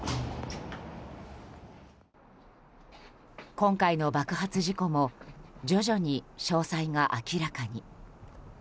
今回の爆発事故も徐々に詳細が明らかに。